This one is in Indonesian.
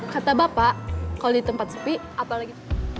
kata bapak kalau di tempat sepi apalagi